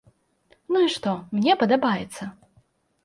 Ну і што, мне падабаецца!